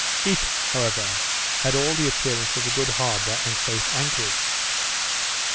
It, however, had all the appearance of a good harbour and safe anchorage.